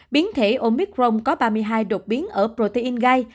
biến thể omicron có ba mươi hai đột biến ở protein gai